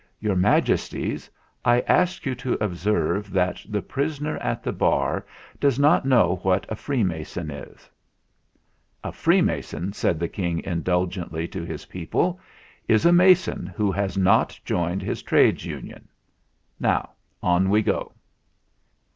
Your Majesties, I ask you to THE EXAMINATION 237 observe that the prisoner at the bar does not know what a freemason is." "A free mason," said the King, indulgently to his people, "is a mason who has not joined his Trades Union. Now on we go."